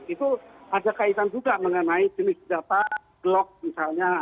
itu ada kaitan juga mengenai jenis data glock misalnya